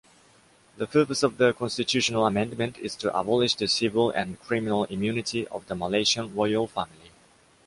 The purpose of the constitutional amendment is to abolish the civil and criminal immunity of the Malaysian royal family.